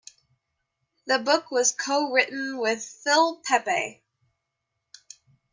The book was co-written with Phil Pepe.